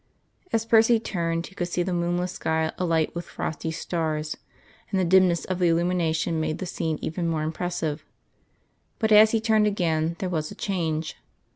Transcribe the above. As Percy turned, he could see the moonless sky alight with frosty stars, and the dimness of the illumination made the scene even more impressive; but as he turned again, there was a change.